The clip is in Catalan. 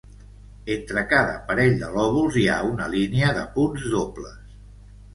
Entre cada parell de lòbuls hi ha una línia de punts dobles.